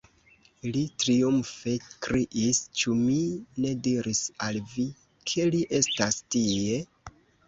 Li triumfe kriis: "Ĉu mi ne diris al vi, ke li estas tie?"